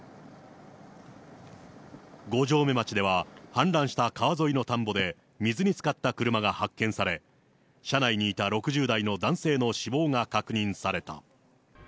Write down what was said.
五城目町では氾濫した川沿いの田んぼで水につかった車が発見され、車内にいた６０代の男性の死亡が確認された。